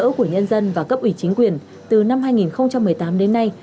đại ủy của nhân dân và cấp ủy chính quyền từ năm hai nghìn một mươi tám đến nay